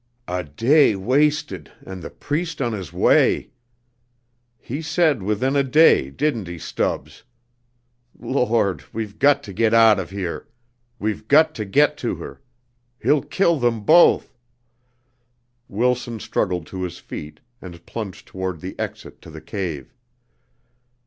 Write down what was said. "A day wasted and the Priest on his way! He said within a day, didn't he, Stubbs? Lord! we've got to get out of here; we've got to get to her. He'll kill them both " Wilson struggled to his feet and plunged towards the exit to the cave.